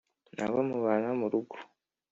n‘abo mubana mu rugo.